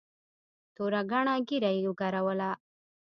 توره گڼه ږيره يې وګروله.